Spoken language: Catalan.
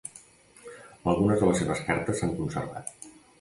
Algunes de les seves cartes s'han conservat.